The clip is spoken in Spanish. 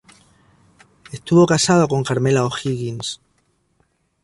Estuvo casado con Carmela O’Higgins.